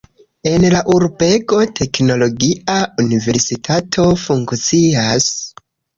En la urbego teknologia universitato funkcias.